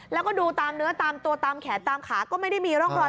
แล้วก็ดูตามเนื้อตามตัวตามแขนตามขาก็ไม่ได้มีร่องรอย